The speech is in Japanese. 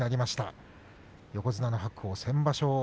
横綱の白鵬、先場所